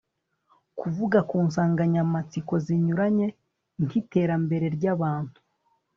kuvuga ku nsanganyamatsiko zinyuranye nk iterambere ry abantu